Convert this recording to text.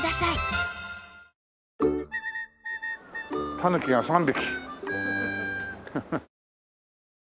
タヌキが３匹。